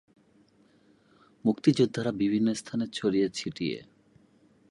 মুক্তিযোদ্ধারা বিভিন্ন স্থানে ছড়িয়ে-ছিটিয়ে।